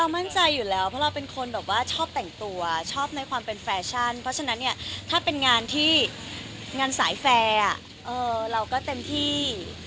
มั่นใจอยู่แล้วเพราะเราเป็นคนแบบว่าชอบแต่งตัวชอบในความเป็นแฟชั่นเพราะฉะนั้นเนี่ยถ้าเป็นงานที่งานสายแฟร์เราก็เต็มที่